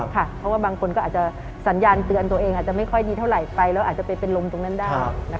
เพราะว่าบางคนก็อาจจะสัญญาณเตือนตัวเองอาจจะไม่ค่อยดีเท่าไหร่ไปแล้วอาจจะไปเป็นลมตรงนั้นได้